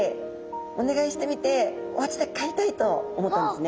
おねがいしてみておうちでかいたいと思ったんですね。